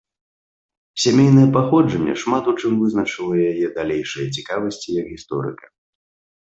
Сямейнае паходжанне шмат у чым вызначыла яе далейшыя цікавасці як гісторыка.